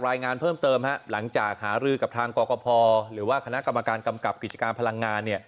รายงานเพิ่มเติมหลังจากหารือกับทางกรกภหรือว่าคณะกรรมการกำกับกิจการพลังงาน